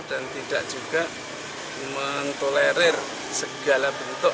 dan tidak juga mentolerir segala bentuk